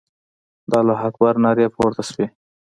د الله اکبر نارې پورته سوې.